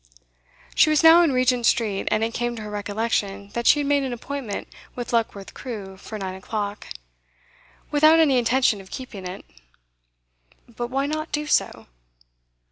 She was now in Regent Street, and it came to her recollection that she had made an appointment with Luckworth Crewe for nine o'clock. Without any intention of keeping it; but why not do so?